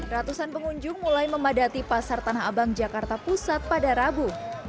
ratusan pengunjung mulai memadati pasar tanah abang jakarta pusat pada rabu